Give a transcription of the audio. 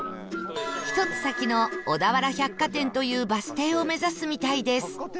１つ先の小田原百貨店というバス停を目指すみたいです